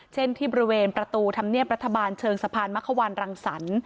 เช่นที่บริเวณประตูธรรมเนียบรัฐบาลเชิงสะพานมะควันรังสรรค์